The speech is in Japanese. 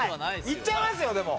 言っちゃいますよでも。